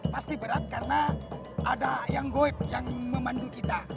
pasti berat karena ada yang goib yang memandu kita